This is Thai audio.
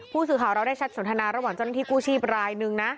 ผู้สื่อข่าวเราได้แชทสนทนาระหว่างเจ้าหน้าที่กู้ชีพรายนึงนะ